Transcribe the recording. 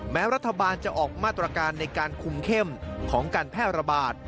แม้รัฐบาลจะออกมาตรการในการคุมเข้มของการแพร่ระบาด